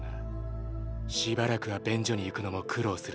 しばらくは便所に行くのも苦労するぜ？